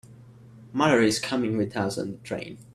Mother is coming with us on the train.